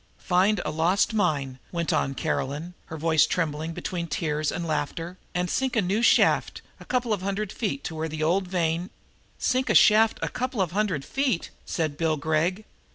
"Find a lost mine," went on Caroline, her voice trembling between tears and laughter, "and sink a new shaft, a couple of hundred feet to find where the old vein " "Sink a shaft a couple of hundred feet!" said Bill Gregg.